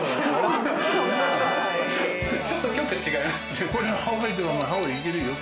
ちょっと局違いますね。